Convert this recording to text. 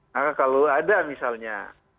nah kalau ada misalnya